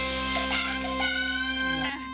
ดี